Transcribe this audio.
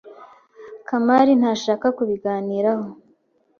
Kamari ntashaka kubiganiraho.